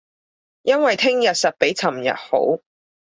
因為聼日實比尋日好